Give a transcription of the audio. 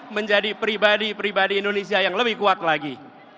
menjadi pribadi pribadi indonesia yang lebih kuat lagi